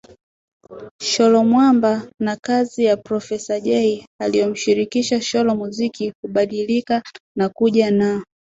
Sholo Mwamba na Kazi ya Profesa Jay aliyomshirikisha Sholo Muziki hubadilika na kuja na